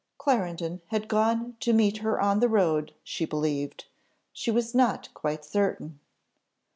Clarendon had gone to meet her on the road, she believed she was not quite certain."